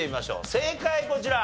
正解こちら！